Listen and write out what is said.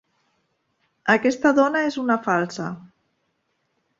Aquesta dona és una falsa.